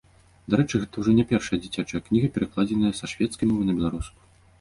Дарэчы, гэта ўжо не першая дзіцячая кніга, перакладзеная са шведскай мовы на беларускую.